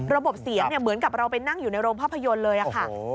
ระบบเสียงเหมือนกับเราไปนั่งอยู่ในโรงภาพยนตร์เลยค่ะ